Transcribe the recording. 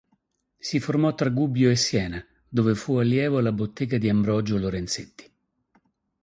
Si formò tra Gubbio e Siena, dove fu allievo alla bottega di Ambrogio Lorenzetti.